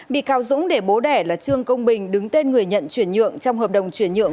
bị cáo dũng để bố đẻ là trương công bình đứng tên người nhận chuyển nhượng trong hợp đồng chuyển nhượng